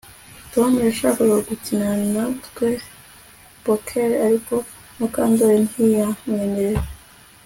Tom yashakaga gukina natwe poker ariko Mukandoli ntiyamwemerera